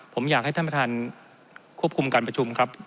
ผมอยากให้ท่านประธานควบคุมการประชุมครับ